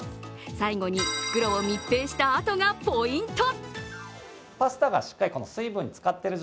最後に袋を密閉したあとがポイント。